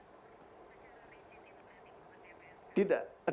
secara rigid itu berarti menggunakan dpr